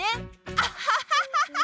アハハハハハハ！